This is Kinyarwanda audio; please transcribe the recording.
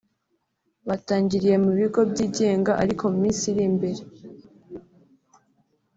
Batangiriye mu bigo byigenga ariko mu minsi iri imbere